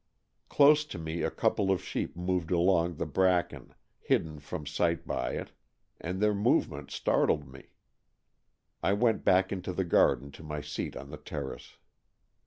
Close to me a couple of sheep moved among the bracken, hidden from sight by it, and their movement startled me. I went back into the garden to my seat on the terrace.